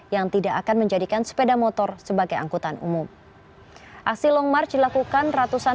yang tidak akan menjadikan sepeda motor sebagai angkutan umum aksi long march dilakukan ratusan